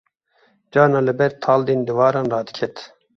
carna li ber taldên diwaran radiket